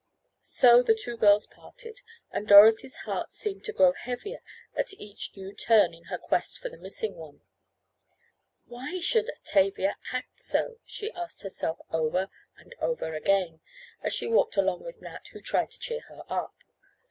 So the two girls parted, and Dorothy's heart seemed to grow heavier at each new turn in her quest for the missing one. "Why should Tavia act so?" she asked herself over and over again, as she walked along with Nat who tried to cheer her up.